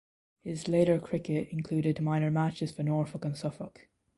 His later cricket included minor matches for Norfolk and Suffolk.